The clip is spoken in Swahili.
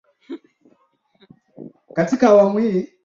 Zuhra amechelewa kuwasili.